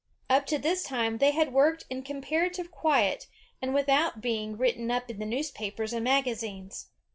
Up to this time they had worked in compar ative quiet, and without being written up in the newspapers and magazines.